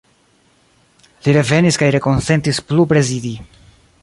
Li revenis kaj rekonsentis plu prezidi.